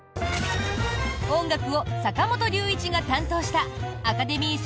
音楽を坂本龍一が担当したアカデミー賞